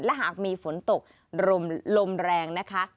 และหากมีฝนตกลมแรงนะคะ